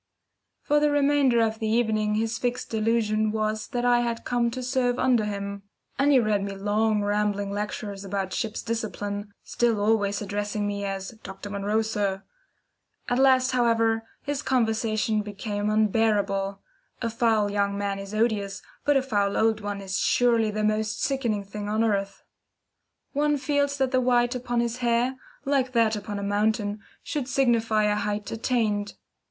For the remainder of the evening his fixed delusion was that I had come to serve under him; and he read me long rambling lectures about ship's discipline, still always addressing me as "Dr. Munro, sir." At last, however, his conversation became unbearable a foul young man is odious, but a foul old one is surely the most sickening thing on earth. One feels that the white upon the hair, like that upon the mountain, should signify a height attained.